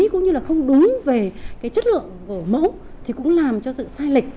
cũng như là không đúng về cái chất lượng của mẫu thì cũng làm cho sự sai lệch